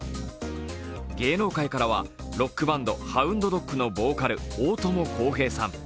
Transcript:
芸能界からは、ロックバンドＨＯＵＮＤＤＯＧのボーカル大友康平さん。